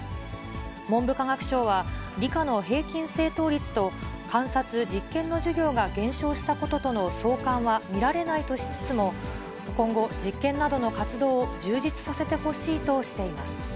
文部科学省は、理科の平均正答率と観察・実験の授業が減少したこととの相関は見られないとしつつも、今後、実験などの活動を充実させてほしいとしています。